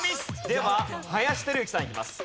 では林輝幸さんいきます。